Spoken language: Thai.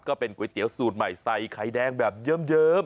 ก็เป็นก๋วยเตี๋ยวสูตรใหม่ใส่ไข่แดงแบบเยิ้ม